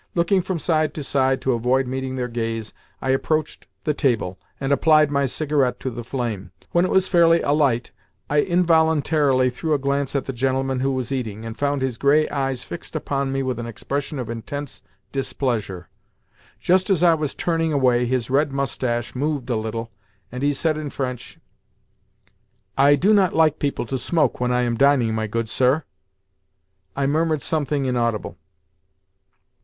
Looking from side to side, to avoid meeting their gaze, I approached the table, and applied my cigarette to the flame. When it was fairly alight, I involuntarily threw a glance at the gentleman who was eating, and found his grey eyes fixed upon me with an expression of intense displeasure. Just as I was turning away his red moustache moved a little, and he said in French: "I do not like people to smoke when I am dining, my good sir." I murmured something inaudible.